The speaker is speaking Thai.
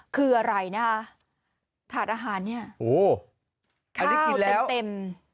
คืออะไรนะถาดอาหารเนี่ยอันนี้กินแล้วเต็ม